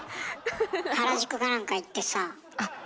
原宿かなんか行ってさあ。